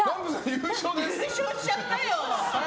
優勝しちゃったよ。